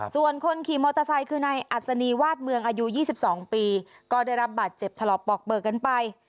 ส่วนคนขี่มอเตอร์ไซค์คือนายอัศนีวาดเมืองอายุ๒๒ปีก็ได้รับบาดเจ็บถลอกปอกเบิกกันไป